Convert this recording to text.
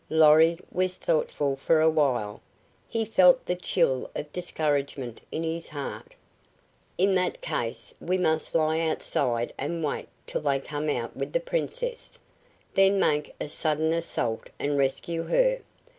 Lorry was thoughtful for a while. He felt the chill of discouragement in his heart. "In that case we must lie outside and wait till they come out with the Princess. Then make a sudden assault and rescue her.